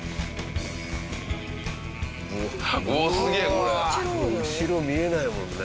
これ後ろ見えないもんね。